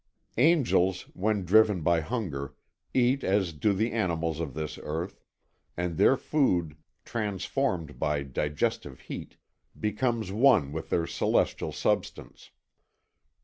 Angels, when driven by hunger, eat as do the animals of this earth, and their food, transformed by digestive heat, becomes one with their celestial substance.